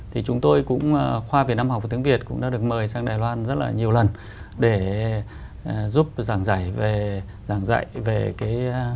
thì chúng tôi cũng khoa việt nam học và tiếng việt cũng đã được mời sang đài loan rất là nhiều lần để giúp giảng dạy về giảng dạy về cái